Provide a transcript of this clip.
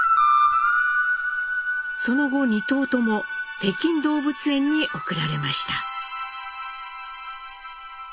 その後２頭とも北京動物園に送られました。